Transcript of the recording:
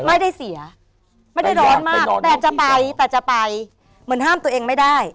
ไม่ได้เสียไม่ได้ร้อนมากแต่จะไปแต่จะไปเหมือนห้ามตัวเองไม่ได้